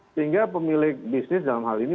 sehingga pemilik bisnis dalam hal ini